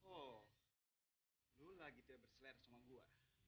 oh lo lagi tiba tiba berseler sama gue